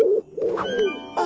あ。